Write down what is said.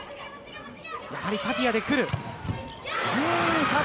やはりタピアで来る。